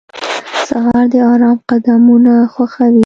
سهار د آرام قدمونه ښووي.